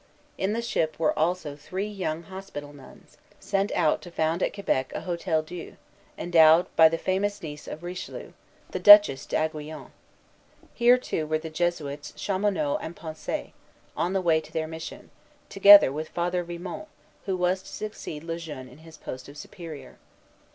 In the ship were also three young hospital nuns, sent out to found at Quebec a Hôtel Dieu, endowed by the famous niece of Richelieu, the Duchesse d'Aiguillon. Here, too, were the Jesuits Chaumonot and Poncet, on the way to their mission, together with Father Vimont, who was to succeed Le Jeune in his post of Superior.